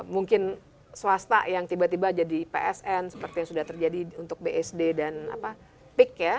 mungkin swasta yang tiba tiba jadi psn seperti yang sudah terjadi untuk bsd dan pik ya